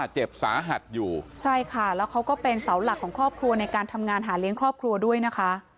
เจ็บสาหัสอยู่ใช่ค่ะแล้วเขาก็เป็นเสาหลักของครอบครัวในการทำงานหาเลี้ยงครอบครัวด้วยนะคะ